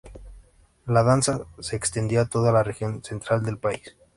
La danza se extendido a toda la región central del país.